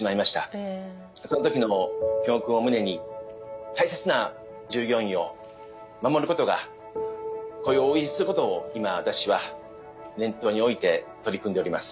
その時の教訓を胸に大切な従業員を守ることが雇用を維持することを今私は念頭に置いて取り組んでおります。